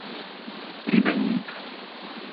Pribeník